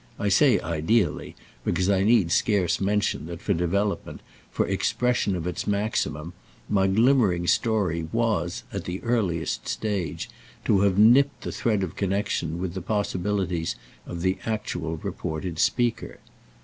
(I say "ideally," because I need scarce mention that for development, for expression of its maximum, my glimmering story was, at the earliest stage, to have nipped the thread of connexion with the possibilities of the actual reported speaker.